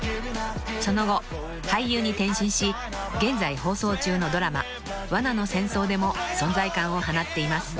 ［その後俳優に転身し現在放送中のドラマ『罠の戦争』でも存在感を放っています］